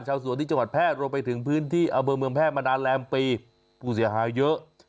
ชาวสวนที่จังหวัดแพทย์รวมไปถึงพื้นที่อำเภอเมืองแพทย์มานานแรมปีผู้เสียหายเยอะ